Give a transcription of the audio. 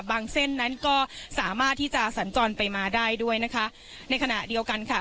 เส้นนั้นก็สามารถที่จะสัญจรไปมาได้ด้วยนะคะในขณะเดียวกันค่ะ